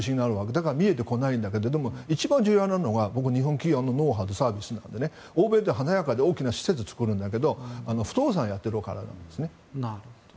だから見えてこないんだけどでも一番重要なのは日本企業のノウハウとサービスなので欧米は華やかで大きな施設を作るんだけど不動産をやっているからなんですね。